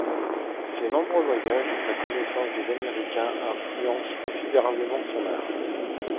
Ses nombreux voyages et sa connaissance des Américains influencent considérablement son art.